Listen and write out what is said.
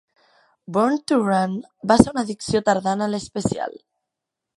"Born to Run" va ser una addició tardana a l'especial.